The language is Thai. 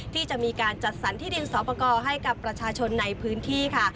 ที่จะมีการจัดสรรที่ดินสอบประกอบให้กับประชาชนในพื้นที่ค่ะ